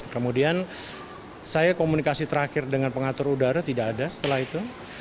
kemudian saya komunikasi terakhir dengan pengatur udara tidak ada setelah itu